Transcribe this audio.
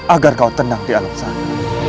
agar kau tenang di alam sana